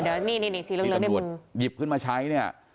เดี๋ยวนี่สีเหลืองในมืออีกตำรวจหยิบขึ้นมาใช้เนี่ย